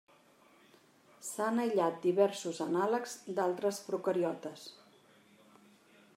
S'han aïllat diversos anàlegs d'altres procariotes.